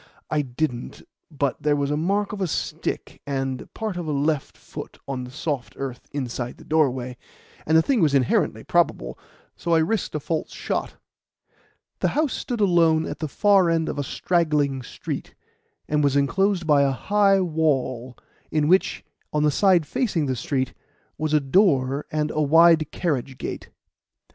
"I didn't; but there was the mark of a stick and part of a left foot on the soft earth inside the doorway, and the thing was inherently probable, so I risked a false shot." The house stood alone at the far end of a straggling street, and was enclosed by a high wall, in which, on the side facing the street, was a door and a wide carriage gate.